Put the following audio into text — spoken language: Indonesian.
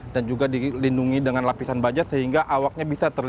dan juga dilindungi dengan lapisan baja sehingga awaknya bisa terbang